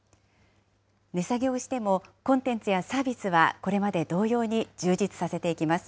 値下げをしてもコンテンツやサービスは、これまで同様に充実させていきます。